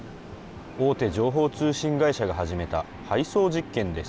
大手情報通信会社が始めた配送実験です。